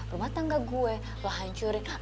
rumah tangga gue lah hancurin